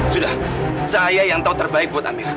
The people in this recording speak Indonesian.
sudah saya yang tahu terbaik buat amila